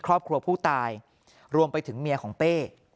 ครอบครัวผู้ตายรวมไปถึงเมียของเป้